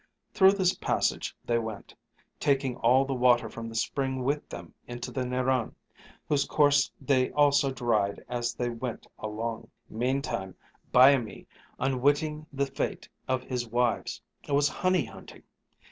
Through this passage they went, taking all the water from the spring with them into the Narran, whose course they also dried as they went along. Meantime Byamee, unwitting the fate of his wives, was honey hunting.